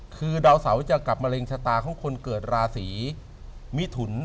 คือดาวเสาจะกลับมะเร็งชะตาของคนเกิดราศีมิถุน